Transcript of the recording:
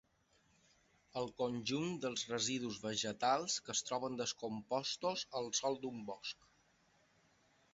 El conjunt dels residus vegetals que es troben descompostos al sòl d'un bosc.